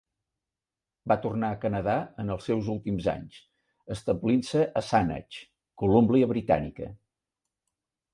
Va tornar a Canadà en els seus últims anys, establint-se a Saanich, Colúmbia Britànica.